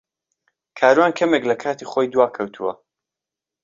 کاروان کەمێک لە کاتی خۆی دواکەوتووە.